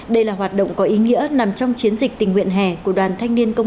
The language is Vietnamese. đây là hoạt động có ý nghĩa nằm trong chiến dịch tình nguyện hè của đoàn thanh niên công